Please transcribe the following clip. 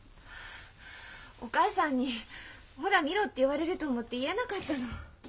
お母さんに「ほら見ろ」って言われると思って言えなかったの。